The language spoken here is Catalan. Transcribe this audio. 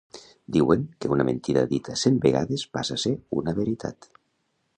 Diuen que una mentida dita cent vegades passa a ser una veritat